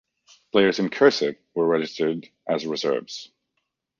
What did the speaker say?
Players in "cursive" were registered as reserves.